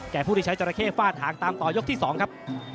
ใหญ่ผู้เจระเข้ฝาดหางตามต่อยกที่สองครับ